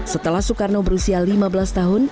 setelah soekarno berusia lima belas tahun